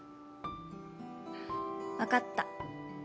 分かった。